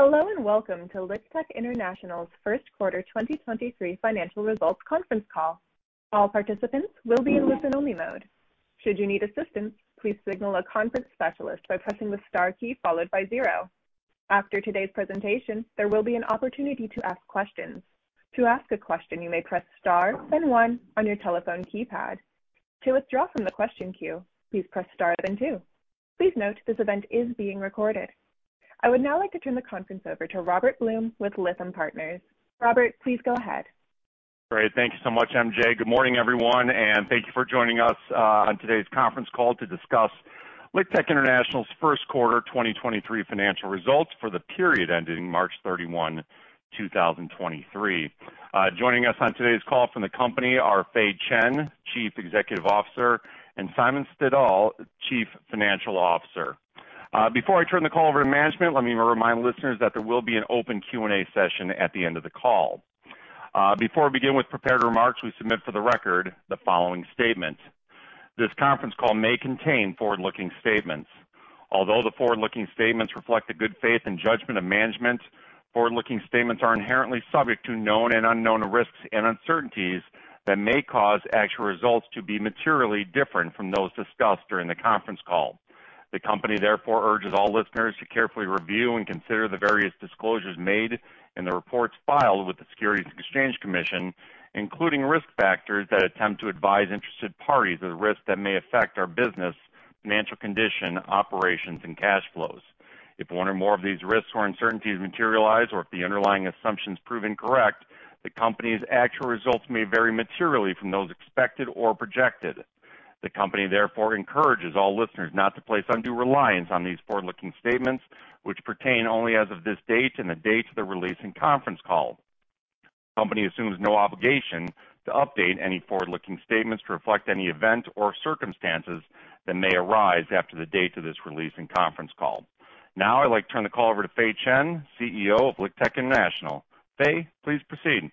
Hello, and welcome to LiqTech International's Q1 2023 financial results conference call. All participants will be in listen-only mode. Should you need assistance, please signal a conference specialist by pressing the star key followed by zero. After today's presentation, there will be an opportunity to ask questions. To ask a question, you may press star then one on your telephone keypad. To withdraw from the question queue, please press star then two. Please note this event is being recorded. I would now like to turn the conference over to Robert Blum with Lytham Partners. Robert, please go ahead. Great. Thank you so much, MJ. Good morning, everyone. Thank you for joining us on today's conference call to discuss LiqTech International's Q1 2023 financial results for the period ending March 31 2023. Joining us on today's call from the company are Fei Chen, Chief Executive Officer. Simon Stadil, Chief Financial Officer. Before I turn the call over to management, let me remind listeners that there will be an open Q&A session at the end of the call. Before we begin with prepared remarks, we submit for the record the following statement. This conference call may contain forward-looking statements. The forward-looking statements reflect the good faith and judgment of management, forward-looking statements are inherently subject to known and unknown risks and uncertainties that may cause actual results to be materially different from those discussed during the conference call. The company therefore urges all listeners to carefully review and consider the various disclosures made in the reports filed with the Securities and Exchange Commission, including risk factors that attempt to advise interested parties of the risks that may affect our business, financial condition, operations, and cash flows. If one or more of these risks or uncertainties materialize or if the underlying assumptions prove incorrect, the company's actual results may vary materially from those expected or projected. The company therefore encourages all listeners not to place undue reliance on these forward-looking statements, which pertain only as of this date and the date of the release and conference call. The company assumes no obligation to update any forward-looking statements to reflect any event or circumstances that may arise after the date of this release and conference call. Now I'd like to turn the call over to Fei Chen, CEO of LiqTech International. Fei, please proceed.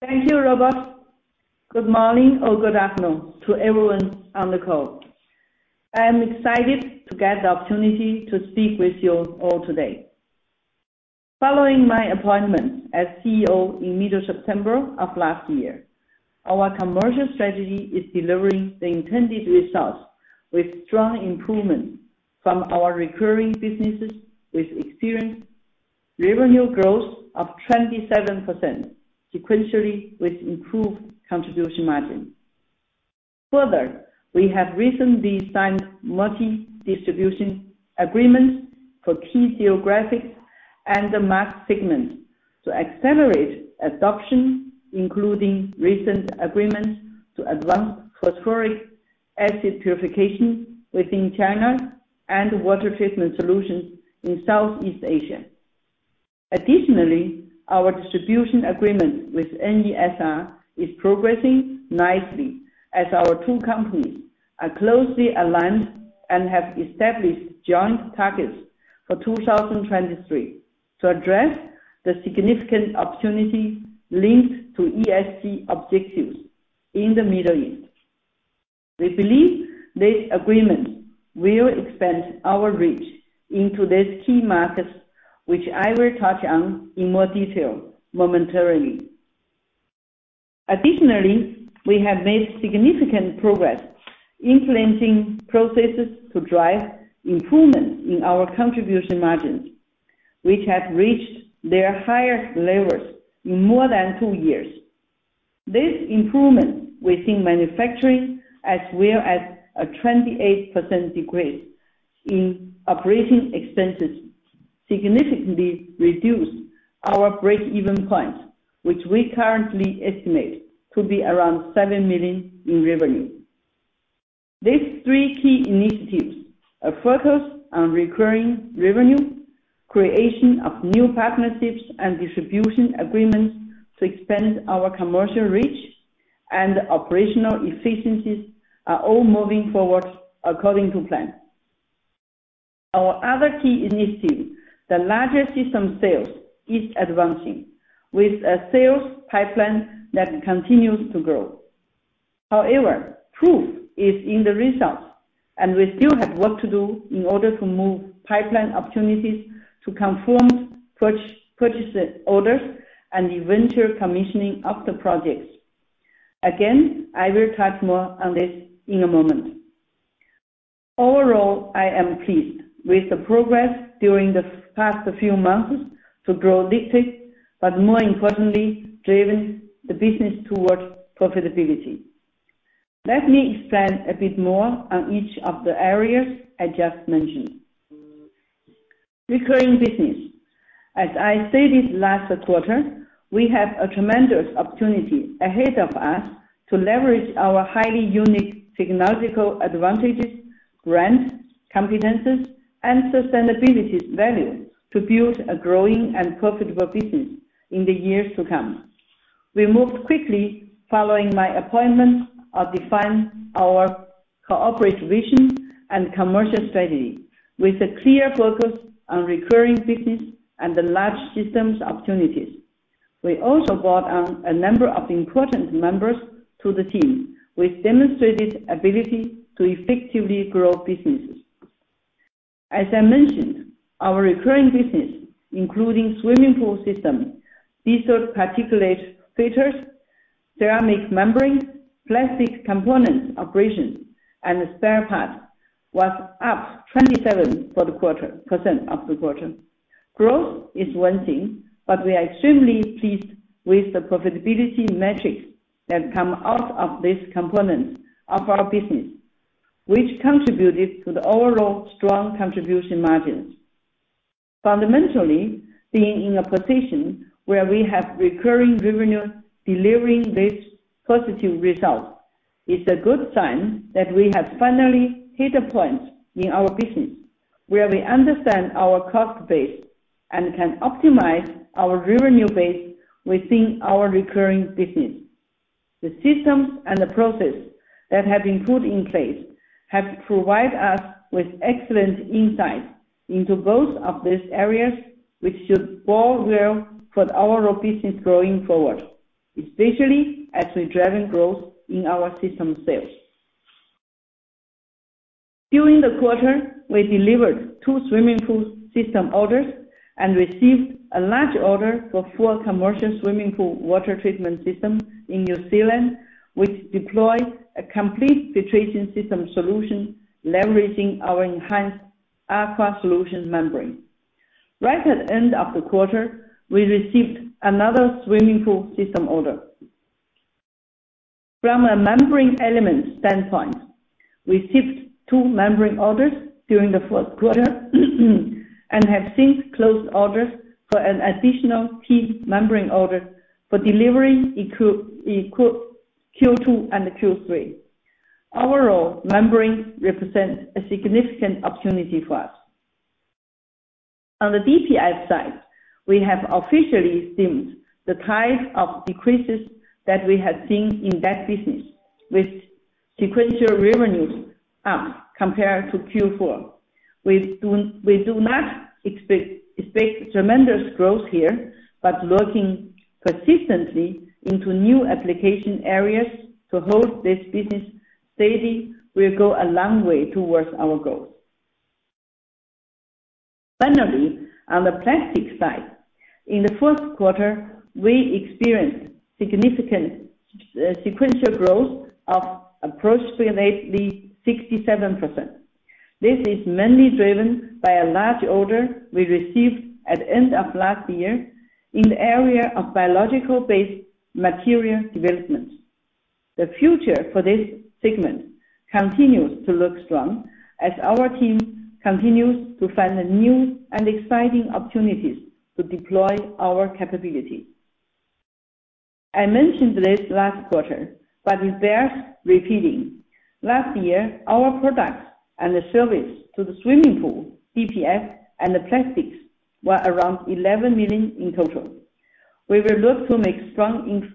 Thank you, Robert. Good morning or good afternoon to everyone on the call. I am excited to get the opportunity to speak with you all today. Following my appointment as CEO in mid-September of last year, our commercial strategy is delivering the intended results with strong improvement from our recurring businesses, which experienced revenue growth of 27% sequentially with improved contribution margin. Further, we have recently signed multi-distribution agreements for key geographic and the mass segments to accelerate adoption, including recent agreements to advance phosphoric acid purification within China and water treatment solutions in Southeast Asia. Additionally, our distribution agreement with NESR is progressing nicely as our two companies are closely aligned and have established joint targets for 2023 to address the significant opportunity linked to ESG objectives in the Middle East. We believe this agreement will expand our reach into these key markets, which I will touch on in more detail momentarily. We have made significant progress implementing processes to drive improvement in our contribution margins, which have reached their highest levels in more than two years. This improvement within manufacturing, as well as a 28% decrease in OpEx, significantly reduced our break-even point, which we currently estimate to be around $7 million in revenue. These three key initiatives, a focus on recurring revenue, creation of new partnerships and distribution agreements to expand our commercial reach, and operational efficiencies are all moving forward according to plan. Our other key initiative, the larger system sales, is advancing with a sales pipeline that continues to grow. Proof is in the results, and we still have work to do in order to move pipeline opportunities to confirmed purchase orders and eventual commissioning of the projects. I will touch more on this in a moment. I am pleased with the progress during the past few months to grow LiqTech, but more importantly, driven the business towards profitability. Let me expand a bit more on each of the areas I just mentioned. Recurring business. As I stated last quarter, we have a tremendous opportunity ahead of us to leverage our highly unique technological advantages, brands, competencies, and sustainability values to build a growing and profitable business in the years to come. We moved quickly following my appointment of define our corporate vision and commercial strategy with a clear focus on recurring business and the large systems opportunities. We also brought on a number of important members to the team with demonstrated ability to effectively grow businesses. As I mentioned, our recurring business, including swimming pool system, diesel particulate filters, ceramic membrane, plastics component operations, and spare parts, was up 27% for the quarter. We are extremely pleased with the profitability metrics that come out of this component of our business, which contributed to the overall strong contribution margins. Fundamentally, being in a position where we have recurring revenue delivering this positive result is a good sign that we have finally hit a point in our business where we understand our cost base and can optimize our revenue base within our recurring business. The systems and the process that have been put in place have provide us with excellent insight into both of these areas, which should bode well for our business going forward, especially as we're driving growth in our system sales. During the quarter, we delivered two swimming pool system orders and received a large order for four commercial swimming pool water treatment systems in New Zealand, which deploy a complete filtration system solution leveraging our enhanced Aqua Solution membrane. Right at end of the quarter, we received another swimming pool system order. From a membrane element standpoint, we shipped two membrane orders during the Q1, and have since closed orders for an additional key membrane order for delivery in Q2 and Q3. Overall, membrane represents a significant opportunity for us. On the DPF side, we have officially stemmed the tide of decreases that we have seen in that business with sequential revenues up compared to Q4. We do not expect tremendous growth here, but looking persistently into new application areas to hold this business steady will go a long way towards our goals. Finally, on the plastic side, in the first quarter, we experienced significant sequential growth of approximately 67%. This is mainly driven by a large order we received at end of last year in the area of biological-based material development. The future for this segment continues to look strong as our team continues to find the new and exciting opportunities to deploy our capability. I mentioned this last quarter, but it bears repeating. Last year, our products and the service to the swimming pool, DPF, and the plastics were around $11 million in total. We will look to make strong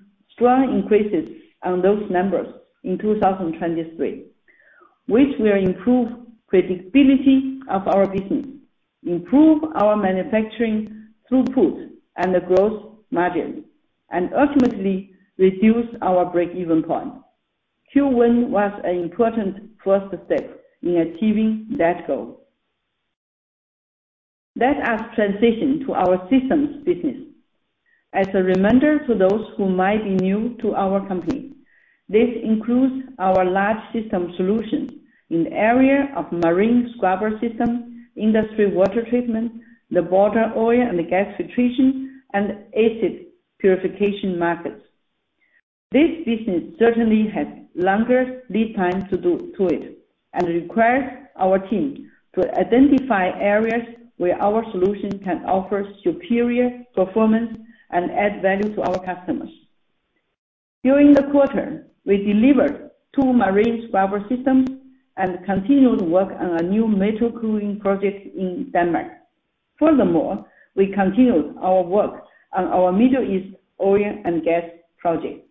increases on those numbers in 2023, which will improve predictability of our business, improve our manufacturing throughput and the growth margin, ultimately reduce our break-even point. Q1 was an important first step in achieving that goal. Let us transition to our systems business. As a reminder to those who might be new to our company, this includes our large system solution in the area of marine scrubber system, industry water treatment, the water, oil, and gas filtration, and acid purification markets. This business certainly has longer lead time to do to it and requires our team to identify areas where our solution can offer superior performance and add value to our customers. During the quarter, we delivered two marine scrubber systems and continued work on a new metro cooling project in Denmark. Furthermore, we continued our work on our Middle East oil and gas project.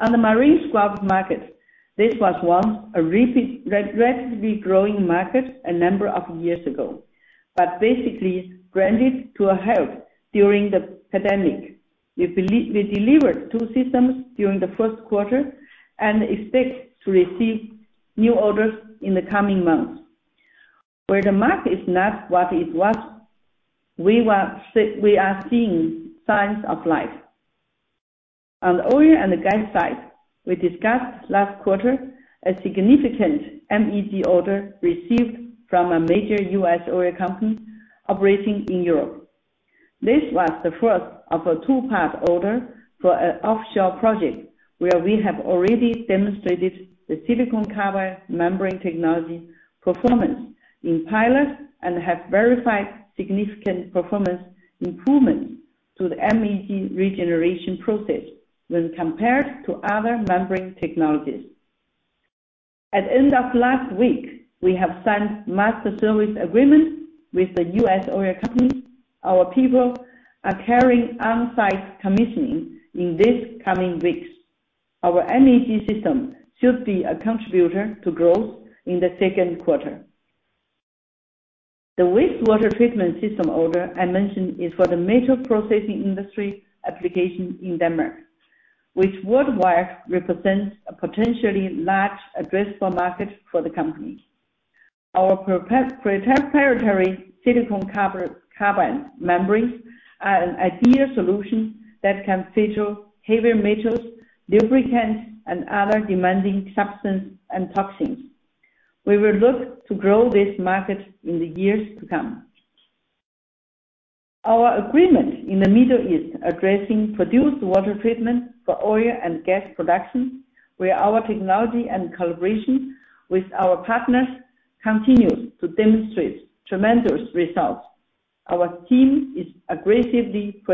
On the marine scrub market, this was once a rapidly growing market a number of years ago, but basically grinded to a halt during the pandemic. We delivered two systems during the first quarter and expect to receive new orders in the coming months. Where the market is not what it was, we are seeing signs of life. On the oil and gas side, we discussed last quarter a significant MEG order received from a major U.S. oil company operating in Europe. This was the first of a two-part order for an offshore project where we have already demonstrated the silicon carbide membrane technology performance in pilots and have verified significant performance improvements to the MEG regeneration process when compared to other membrane technologies. At end of last week, we have signed Master Service Agreement with the U.S. oil company. Our people are carrying on-site commissioning in these coming weeks. Our MEG system should be a contributor to growth in the Q2. The wastewater treatment system order I mentioned is for the metal processing industry application in Denmark, which worldwide represents a potentially large addressable market for the company. Our proprietary silicon carbide membranes are an ideal solution that can filter heavier metals, lubricants, and other demanding substances and toxins. We will look to grow this market in the years to come. Our agreement in the Middle East addressing produced water treatment for oil and gas production, where our technology and collaboration with our partners continues to demonstrate tremendous results. Our team is aggressively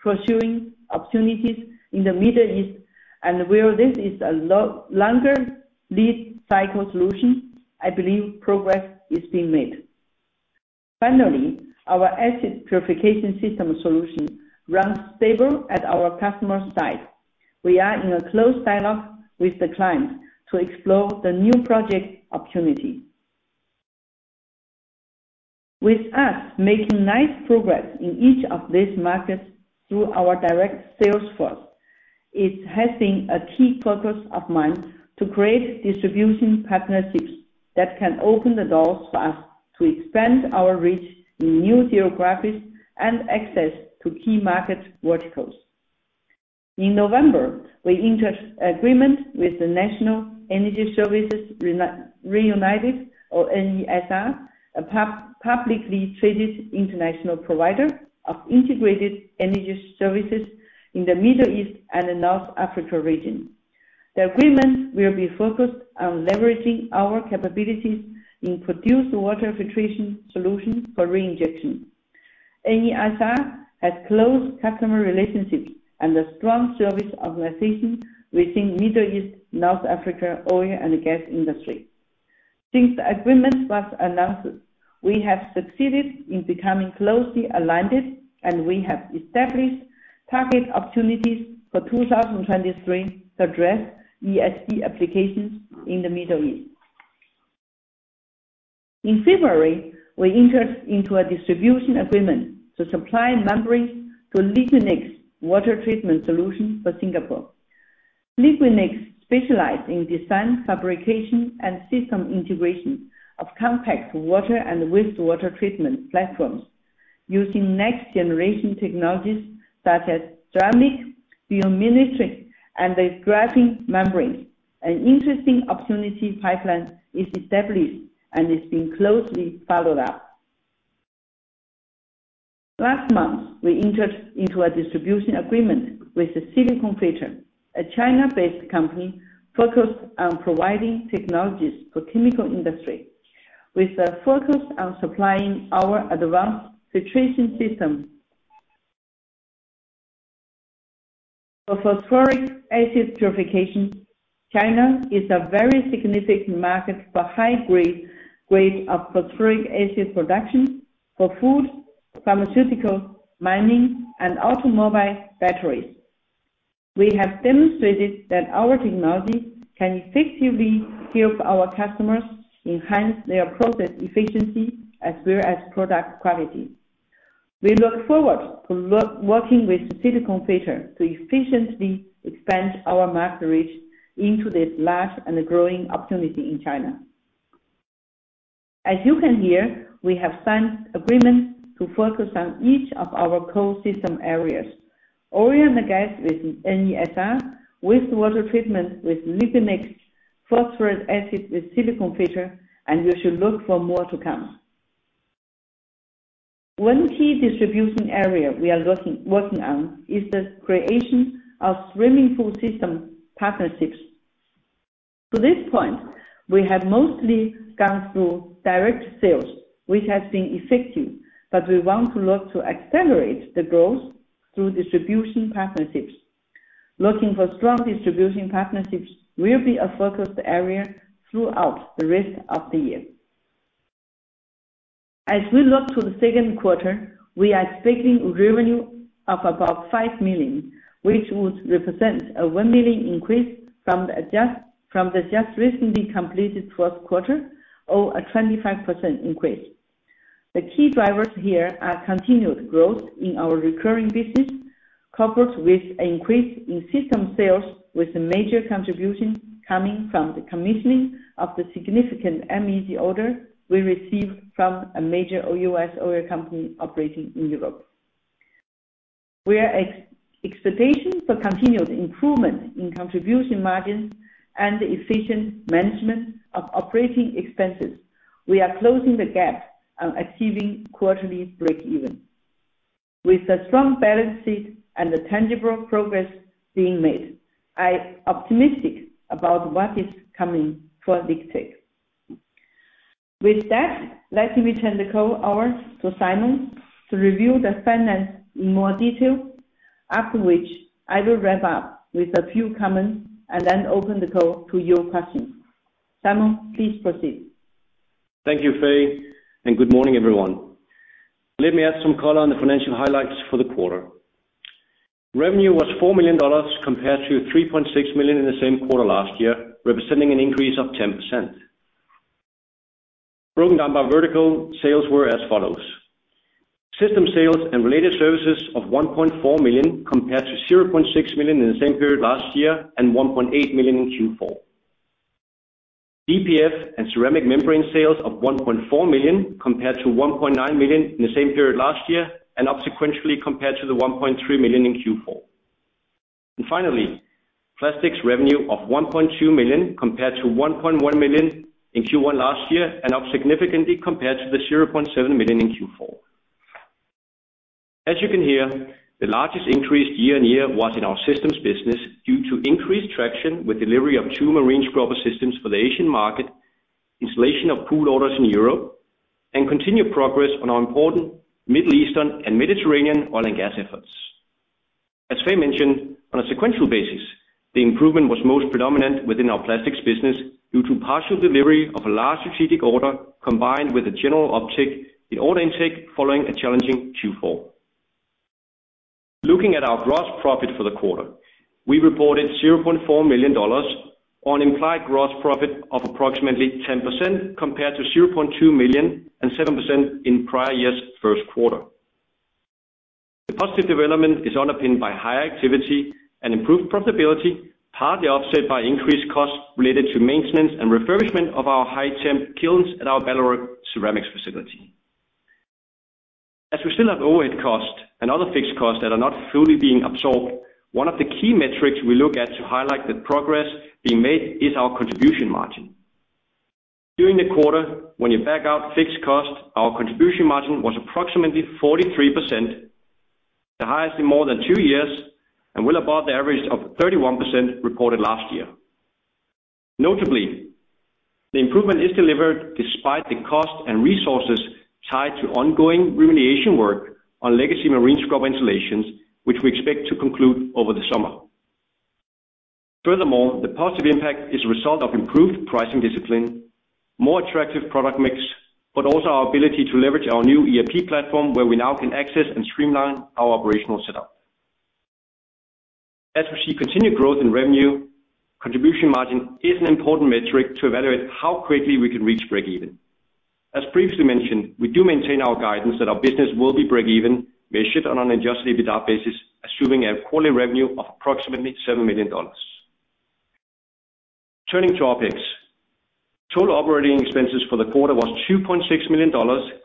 pursuing opportunities in the Middle East, and while this is a longer lead cycle solution, I believe progress is being made. Finally, our acid purification system solution runs stable at our customer site. We are in a close dialogue with the client to explore the new project opportunity. With us making nice progress in each of these markets through our direct sales force, it has been a key focus of mine to create distribution partnerships that can open the doors for us to expand our reach in new geographies and access to key market verticals. In November, we entered agreement with the National Energy Services Reunited, or NESR, a publicly traded international provider of integrated energy services in the Middle East and the North Africa region. The agreement will be focused on leveraging our capabilities in produced water filtration solutions for reinjection. NESR has close customer relationships and a strong service organization within Middle East, North Africa oil and gas industry. Since the agreement was announced, we have succeeded in becoming closely aligned, and we have established target opportunities for 2023 to address ESD applications in the Middle East. In February, we entered into a distribution agreement to supply membranes to Liquinex Water Treatment Solutions for Singapore. Liquinex specialize in design, fabrication, and system integration of compact water and wastewater treatment platforms using next-generation technologies such as ceramic, biomimetic, and the graphene membrane. An interesting opportunity pipeline is established and is being closely followed up. Last month, we entered into a distribution agreement with the Silicon Filter, a China-based company focused on providing technologies for chemical industry. With a focus on supplying our advanced filtration system. For phosphoric acid purification, China is a very significant market for high-grade of phosphoric acid production for food, pharmaceutical, mining, and automobile batteries. We have demonstrated that our technology can effectively help our customers enhance their process efficiency as well as product quality. We look forward to working with Silicon Filter to efficiently expand our market reach into this large and growing opportunity in China. As you can hear, we have signed agreements to focus on each of our core system areas, oil and gas with NESR, wastewater treatment with Liquinex, phosphoric acid with Silicon Filter, and you should look for more to come. One key distribution area we are working on is the creation of swimming pool system partnerships. To this point, we have mostly gone through direct sales, which has been effective, but we want to look to accelerate the growth through distribution partnerships. Looking for strong distribution partnerships will be a focus area throughout the rest of the year. As we look to the Q2, we are expecting revenue of about $5 million, which would represent a $1 million increase from the just recently completed Q1 or a 25% increase. The key drivers here are continued growth in our recurring business, coupled with an increase in system sales, with the major contribution coming from the commissioning of the significant MEG order we received from a major U.S. oil company operating in Europe. We are ex-expectation for continued improvement in contribution margins and efficient management of operating expenses. We are closing the gap on achieving quarterly break-even. With a strong balance sheet and the tangible progress being made, I optimistic about what is coming for LiqTech. With that, let me turn the call over to Simon to review the finance in more detail, after which I will wrap up with a few comments and then open the call to your questions. Simon, please proceed. Thank you, Fei. Good morning, everyone. Let me add some color on the financial highlights for the quarter. Revenue was $4 million compared to $3.6 million in the same quarter last year, representing an increase of 10%. Broken down by vertical, sales were as follows: System sales and related services of $1.4 million compared to $0.6 million in the same period last year and $1.8 million in Q4. DPF and ceramic membrane sales of $1.4 million compared to $1.9 million in the same period last year, and up sequentially compared to the $1.3 million in Q4. Finally, plastics revenue of $1.2 million compared to $1.1 million in Q1 last year, and up significantly compared to the $0.7 million in Q4. As you can hear, the largest increase year-on-year was in our systems business due to increased traction with delivery of two marine scrubber systems for the Asian market, installation of pool orders in Europe, and continued progress on our important Middle Eastern and Mediterranean oil and gas efforts. As Fei mentioned, on a sequential basis, the improvement was most predominant within our plastics business due to partial delivery of a large strategic order, combined with a general uptick in order intake following a challenging Q4. Looking at our gross profit for the quarter, we reported $0.4 million on implied gross profit of approximately 10% compared to $0.2 million and 7% in prior year's Q1. The positive development is underpinned by higher activity and improved profitability, partly offset by increased costs related to maintenance and refurbishment of our high-temperature kilns at our Ballerup ceramics facility. As we still have overhead costs and other fixed costs that are not fully being absorbed, one of the key metrics we look at to highlight the progress being made is our contribution margin. During the quarter, when you back out fixed costs, our contribution margin was approximately 43%, the highest in more than two years, and well above the average of 31% reported last year. Notably, the improvement is delivered despite the cost and resources tied to ongoing remediation work on legacy marine scrubber installations, which we expect to conclude over the summer. The positive impact is a result of improved pricing discipline, more attractive product mix, but also our ability to leverage our new ERP platform where we now can access and streamline our operational setup. As we see continued growth in revenue, contribution margin is an important metric to evaluate how quickly we can reach break even. As previously mentioned, we do maintain our guidance that our business will be break even measured on an adjusted EBITDA basis, assuming a quarterly revenue of approximately $7 million. Turning to OpEx. Total operating expenses for the quarter was $2.6 million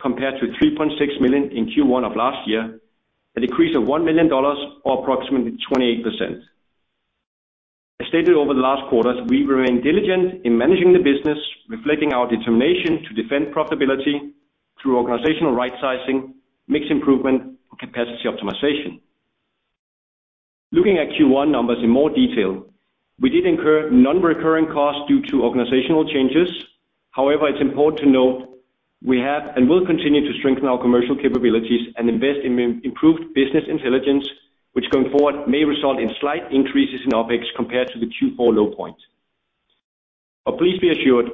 compared to $3.6 million in Q1 of last year, a decrease of $1 million or approximately 28%. As stated over the last quarters, we remain diligent in managing the business, reflecting our determination to defend profitability through organizational rightsizing, mix improvement, and capacity optimization. Looking at Q1 numbers in more detail, we did incur non-recurring costs due to organizational changes. It's important to note we have and will continue to strengthen our commercial capabilities and invest in improved business intelligence, which going forward may result in slight increases in OpEx compared to the Q4 low point. Please be assured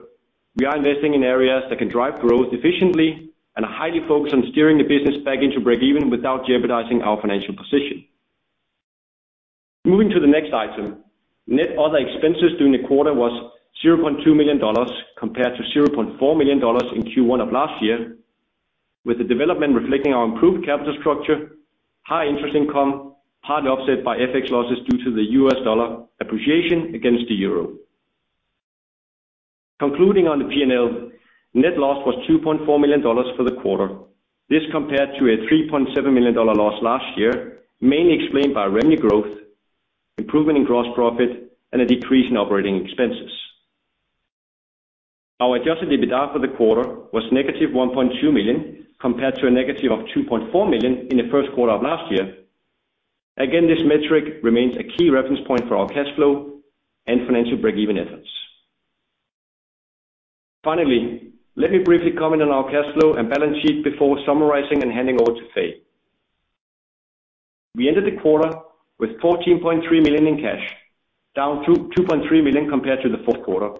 we are investing in areas that can drive growth efficiently and are highly focused on steering the business back into break even without jeopardizing our financial position. Moving to the next item. Net other expenses during the quarter was $0.2 million compared to $0.4 million in Q1 of last year, with the development reflecting our improved capital structure, high interest income, partly offset by FX losses due to the U.S. dollar appreciation against the euro. Concluding on the P&L, net loss was $2.4 million for the quarter. This compared to a $3.7 million loss last year, mainly explained by revenue growth, improvement in gross profit, and a decrease in operating expenses. Our adjusted EBITDA for the quarter was -$1.2 million compared to a -$2.4 million in the Q1 of last year. Again, this metric remains a key reference point for our cash flow and financial break-even efforts. Finally, let me briefly comment on our cash flow and balance sheet before summarizing and handing over to Fei. We ended the quarter with $14.3 million in cash, down $2.3 million compared to the Q4,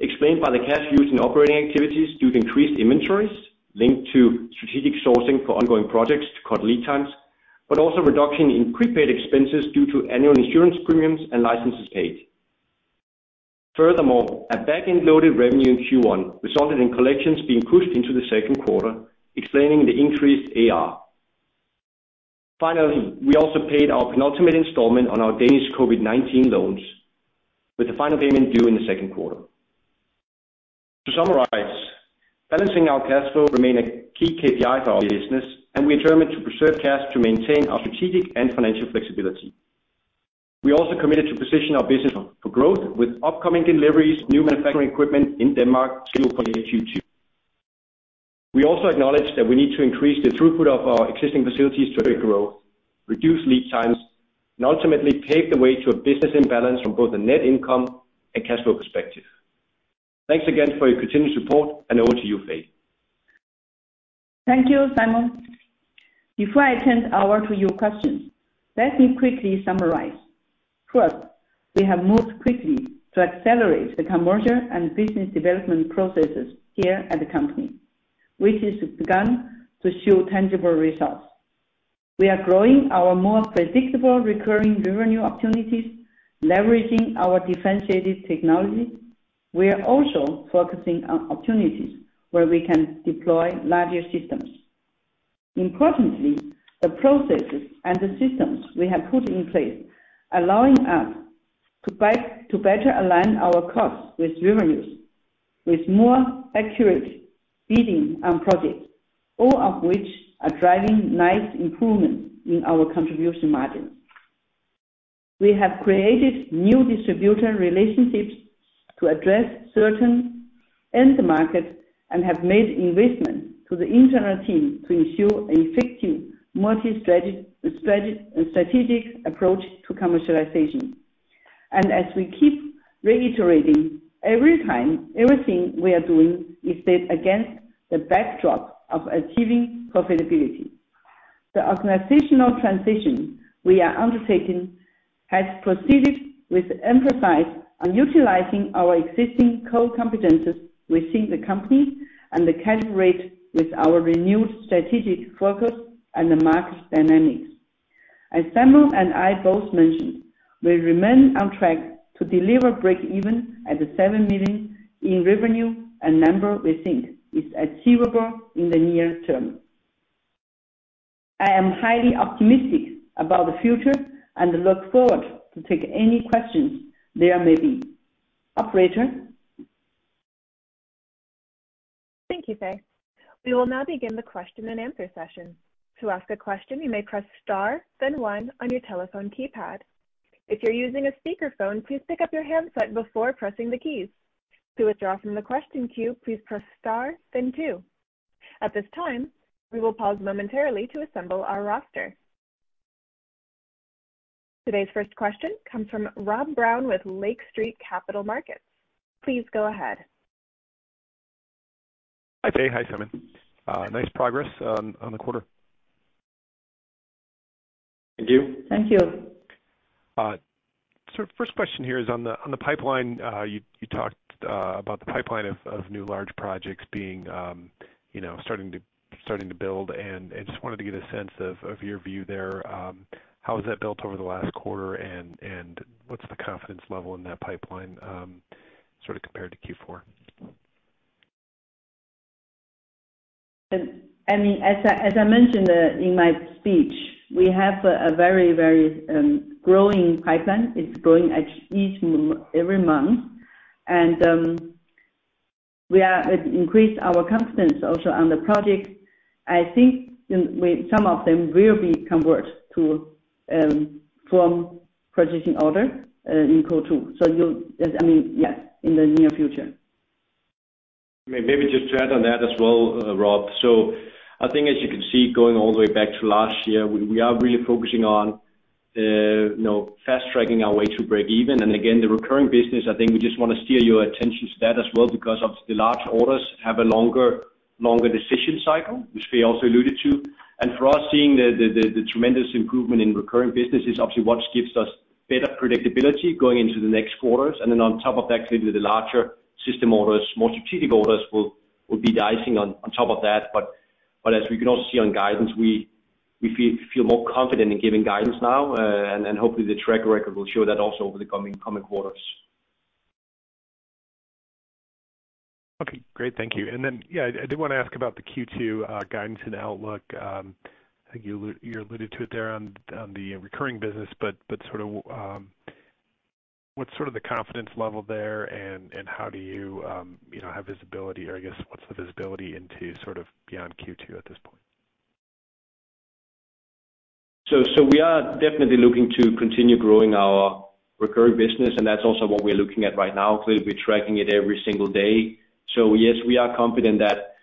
explained by the cash used in operating activities due to increased inventories linked to strategic sourcing for ongoing projects to cut lead times, but also reduction in prepaid expenses due to annual insurance premiums and licenses paid. Furthermore, a back-end loaded revenue in Q1 resulted in collections being pushed into the Q2, explaining the increased AR. Finally, we also paid our penultimate installment on our Danish COVID-19 loans, with the final payment due in the Q2. To summarize, balancing our cash flow remain a key KPI for our business, and we are determined to preserve cash to maintain our strategic and financial flexibility. We also committed to position our business for growth with upcoming deliveries of new manufacturing equipment in Denmark scheduled for Q2. We also acknowledge that we need to increase the throughput of our existing facilities to grow, reduce lead times, and ultimately pave the way to a business imbalance from both a net income and cash flow perspective. Thanks again for your continued support and over to you, Fei. Thank you, Simon. Before I turn over to your questions, let me quickly summarize. We have moved quickly to accelerate the commercial and business development processes here at the company, which has begun to show tangible results. We are growing our more predictable recurring revenue opportunities, leveraging our differentiated technology. We are also focusing on opportunities where we can deploy larger systems. Importantly, the processes and the systems we have put in place, allowing us to better align our costs with revenues, with more accurate bidding on projects, all of which are driving nice improvement in our contribution margin. We have created new distributor relationships to address certain end markets and have made investments to the internal team to ensure an effective multi-strategic approach to commercialization. As we keep reiterating, every time, everything we are doing is set against the backdrop of achieving profitability. The organizational transition we are undertaking has proceeded with emphasis on utilizing our existing core competencies within the company and the calibrate with our renewed strategic focus and the market dynamics. As Simon and I both mentioned, we remain on track to deliver break-even at the $7 million in revenue, a number we think is achievable in the near term. I am highly optimistic about the future and look forward to take any questions there may be. Operator? Thank you, Fei. We will now begin the question and answer session. To ask a question, you may press star, then one on your telephone keypad. If you're using a speaker phone, please pick up your handset before pressing the keys. To withdraw from the question queue, please press star, then two. At this time, we will pause momentarily to assemble our roster. Today's first question comes from Rob Brown with Lake Street Capital Markets. Please go ahead. Hi, Fei. Hi, Simon. nice progress on the quarter. Thank you. Thank you. First question here is on the pipeline. You talked, you know, about the pipeline of new large projects being starting to build. I just wanted to get a sense of your view there. How has that built over the last quarter and what's the confidence level in that pipeline sort of compared to Q4? I mean, as I mentioned, in my speech, we have a very, very growing pipeline. It's growing at every month. We are increase our confidence also on the project. I think some of them will be converted to, from purchasing order, in Q2. You, I mean, yes, in the near future. Maybe just to add on that as well, Rob. I think as you can see, going all the way back to last year, we are really focusing on, you know, fast tracking our way to breakeven. Again, the recurring business, I think we just wanna steer your attention to that as well because of the large orders have a longer decision cycle, which Fei also alluded to. For us, seeing the tremendous improvement in recurring business is obviously what gives us better predictability going into the next quarters. Then on top of that, clearly, the larger system orders, more strategic orders will be the icing on top of that. As we can also see on guidance, we feel more confident in giving guidance now, and hopefully the track record will show that also over the coming quarters. Okay, great. Thank you. Yeah, I did wanna ask about the Q2 guidance and outlook. I think you alluded to it there on the recurring business. But sort of, what's sort of the confidence level there and how do you know, have visibility or I guess what's the visibility into sort of beyond Q2 at this point? We are definitely looking to continue growing our recurring business, and that's also what we're looking at right now. Clearly, we're tracking it every single day. Yes, we are confident that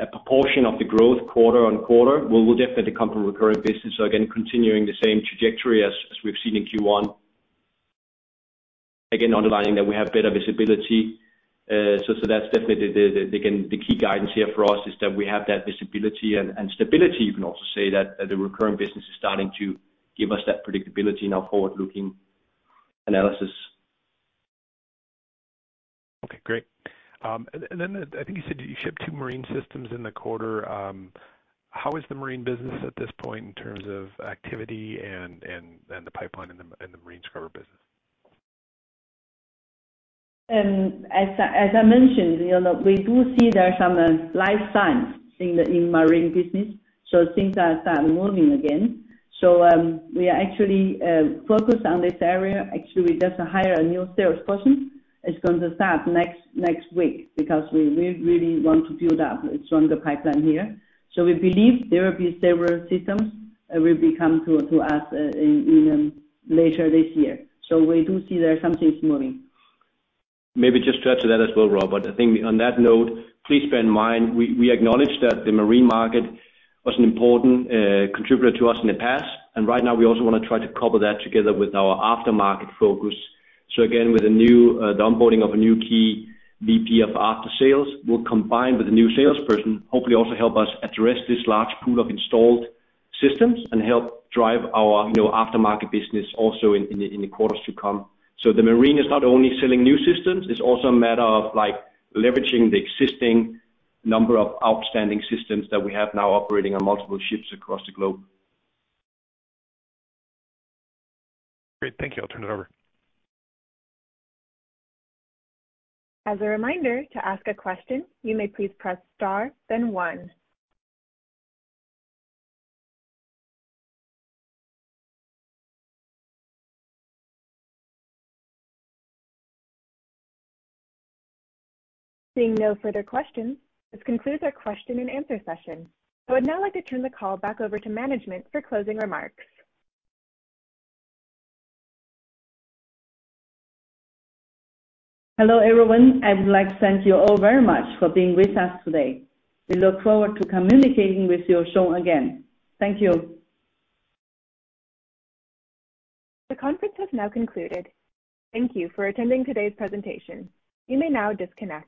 a proportion of the growth quarter-on-quarter will definitely come from recurring business. Again, continuing the same trajectory as we've seen in Q1. Again, underlining that we have better visibility. That's definitely the again, the key guidance here for us is that we have that visibility and stability. You can also say that the recurring business is starting to give us that predictability in our forward-looking analysis. Okay, great. Then I think you said you shipped two marine systems in the quarter. How is the marine business at this point in terms of activity and the pipeline in the, in the marine scrubber business? As I mentioned, we do see there are some life signs in the marine business, so things are start moving again. We are actually focused on this area. Actually, we just hire a new salesperson, is going to start next week because we really want to build up a stronger pipeline here. So we believe there will be several systems will be come to us in later this year. So we do see there are some things moving Maybe just to add to that as well, Rob. I think on that note, please bear in mind, we acknowledge that the marine market was an important contributor to us in the past. Right now we also wanna try to couple that together with our aftermarket focus. Again, with the new onboarding of a new key VP of After Sales, will combine with the new salesperson, hopefully also help us address this large pool of installed systems and help drive our, you know, aftermarket business also in the quarters to come. The marine is not only selling new systems, it's also a matter of like leveraging the existing number of outstanding systems that we have now operating on multiple ships across the globe. Great. Thank you. I'll turn it over. As a reminder, to ask a question, you may please press star, then one. Seeing no further questions, this concludes our question and answer session. I would now like to turn the call back over to management for closing remarks. Hello, everyone. I would like to thank you all very much for being with us today. We look forward to communicating with you soon again. Thank you. The conference has now concluded. Thank you for attending today's presentation. You may now disconnect.